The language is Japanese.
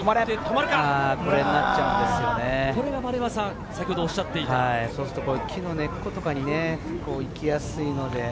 これが先ほど、おっしゃ木の根っことかに行きやすいので。